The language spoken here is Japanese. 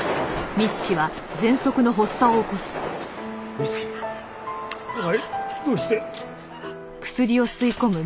美月お前どうして。